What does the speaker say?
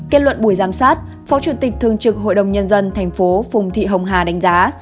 kết luận buổi giám sát phó chủ tịch thương trực hội đồng nhân dân thành phố phùng thị hồng hà đánh giá